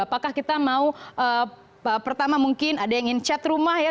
apakah kita mau pertama mungkin ada yang ingin chat rumah ya